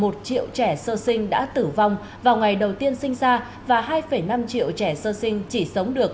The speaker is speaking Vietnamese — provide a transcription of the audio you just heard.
một triệu trẻ sơ sinh đã tử vong vào ngày đầu tiên sinh ra và hai năm triệu trẻ sơ sinh chỉ sống được